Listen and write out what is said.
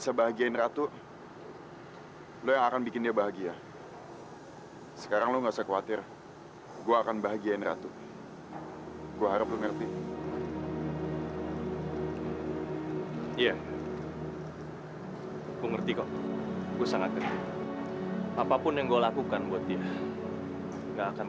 sampai jumpa di video selanjutnya